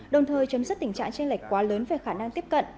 đồng thời chấm dứt tình trạng tranh lệch quá lớn về khả năng tiếp cận